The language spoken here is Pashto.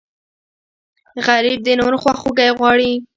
غریب د نورو خواخوږی غواړي